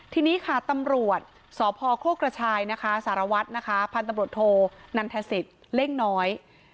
ทีนี้ค่ะตำรวจสพโคกระชายนะคะสารวัตรนะคะพันธุ์ตำรวจโทนันทศิษย์เล่งน้อย